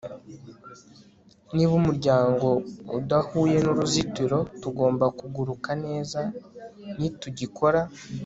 niba umuryango udahuye nuruzitiro, tugomba kuguruka neza nitugikora